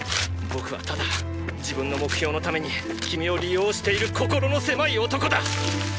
僕はただ自分の目標のために君を利用している心の狭い男だ！